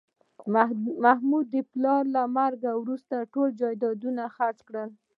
محمود د پلار له مرګه وروسته ټول جایدادونه خرڅ کړل